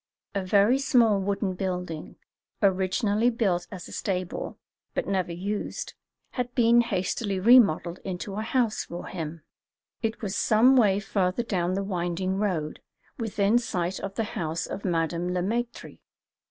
A very small wooden building, originally built as a stable, but never used, had been hastily remodelled into a house for him. It was some way further down the winding road, within sight of the house of Madame Le Maître.